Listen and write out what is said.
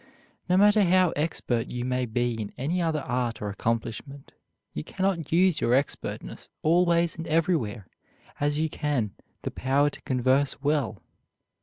No matter how expert you may be in any other art or accomplishment, you cannot use your expertness always and everywhere as you can the power to converse well.